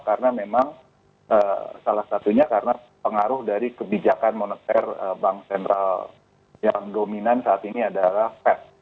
karena memang salah satunya karena pengaruh dari kebijakan moneter bank sentral yang dominan saat ini adalah fed